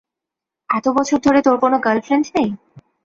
এত বছর ধরে তোর কোনো গার্লফ্রেন্ড নেই?